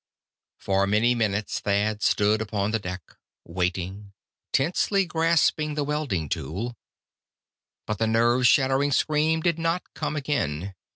For many minutes Thad stood upon the deck, waiting, tensely grasping the welding tool. But the nerve shattering scream did not come again.